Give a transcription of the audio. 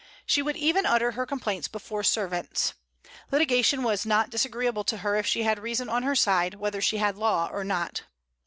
She would even utter her complaints before servants. Litigation was not disagreeable to her if she had reason on her side, whether she had law or not.